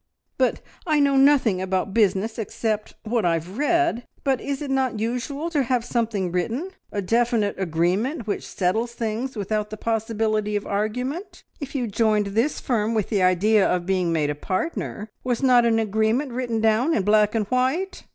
"But I know nothing about business except what I have read but is it not usual to have something written a definite agreement which settles things without the possibility of argument? If you joined this firm with the idea of being made a partner, was not an agreement written down in black and white?"